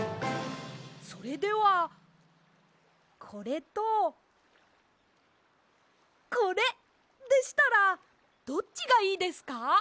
それではこれとこれでしたらどっちがいいですか？